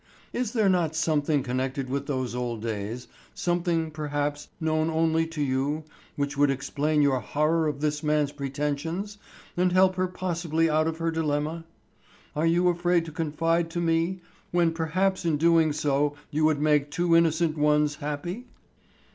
Is there not something connected with those old days—something, perhaps, known only to you, which would explain your horror of this man's pretensions and help her possibly out of her dilemma? Are you afraid to confide it to me, when perhaps in doing so you would make two innocent ones happy?"